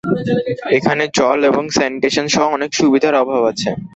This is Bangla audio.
এখানে জল এবং স্যানিটেশন সহ অনেক সুবিধার অভাব আছে।